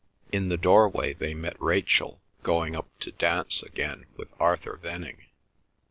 In the doorway they met Rachel, going up to dance again with Arthur Venning.